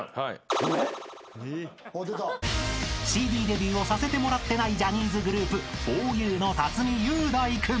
［ＣＤデビューをさせてもらってないジャニーズグループふぉゆの辰巳雄大君］